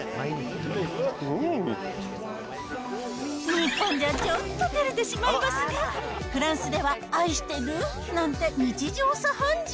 日本じゃ、ちょっとてれてしまいますが、フランスでは愛してるなんて、日常茶飯事。